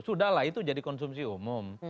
sudahlah itu jadi konsumsi umum